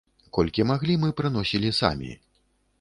Колькі маглі, мы прыносілі самі.